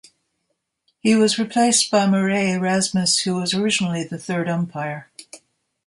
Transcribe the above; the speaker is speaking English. He was replaced by Marais Erasmus who was originally the third umpire.